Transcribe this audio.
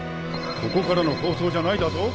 ここからの放送じゃないだと？